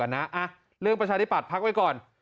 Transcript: ดรเอบิ